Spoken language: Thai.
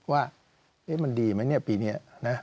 ว่ามันดีไหมปีนี้